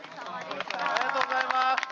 ありがとうございます。